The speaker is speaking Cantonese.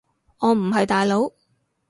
我唔係大佬